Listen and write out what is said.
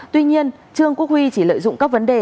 tuy nhiên trương quốc huy chỉ lợi dụng các vấn đề